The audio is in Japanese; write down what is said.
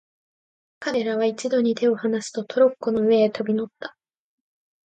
彼等は一度に手をはなすと、トロッコの上へ飛び乗った。